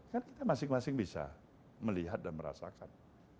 kan kita masing masing bisa melihat dan merasakan